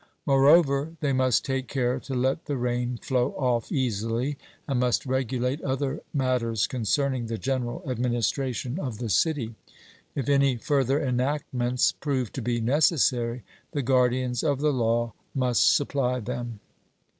Moreover, they must take care to let the rain flow off easily, and must regulate other matters concerning the general administration of the city. If any further enactments prove to be necessary, the guardians of the law must supply them.